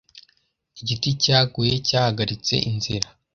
Igiti cyaguye cyahagaritse inzira.